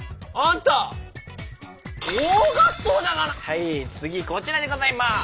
はい次こちらでございます！